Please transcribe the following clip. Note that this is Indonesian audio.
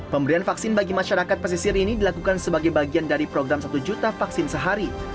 pemberian vaksin bagi masyarakat pesisir ini dilakukan sebagai bagian dari program satu juta vaksin sehari